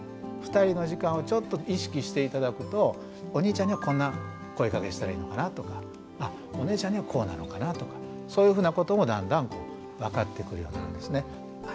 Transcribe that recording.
２人の時間をちょっと意識して頂くとお兄ちゃんにはこんな声かけしたらいいのかなとかお姉ちゃんにはこうなのかなとかそういうふうなこともだんだん分かってくるようになるんですね。